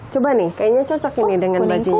coba nih kayaknya cocok ini dengan bajunya